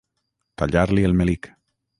Tallar-li el melic.